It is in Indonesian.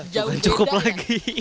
jauh lah bukan cukup lagi